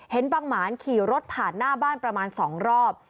บังหมานขี่รถผ่านหน้าบ้านประมาณ๒รอบ